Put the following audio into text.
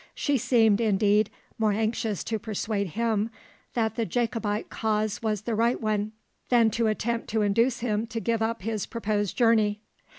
She seemed, indeed, more anxious to persuade him that the Jacobite cause was the right one, than to attempt to induce him to give up his proposed journey.